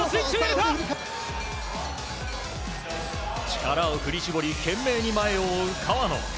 力を振り絞り懸命に前を追う川野。